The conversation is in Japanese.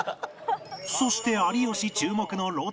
そして有吉注目のロティは